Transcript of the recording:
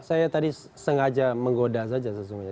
saya tadi sengaja menggoda saja sesungguhnya